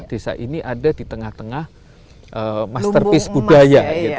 desa ini ada di tengah tengah masterpiece budaya